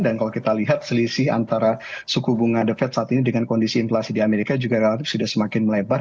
dan kalau kita lihat selisih antara suku bunga the fed saat ini dengan kondisi inflasi di amerika juga relatif sudah semakin melebar